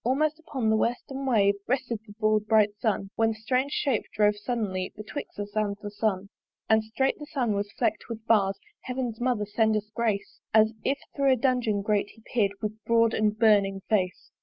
Almost upon the western wave Rested the broad bright Sun; When that strange shape drove suddenly Betwixt us and the Sun. And strait the Sun was fleck'd with bars (Heaven's mother send us grace) As if thro' a dungeon grate he peer'd With broad and burning face.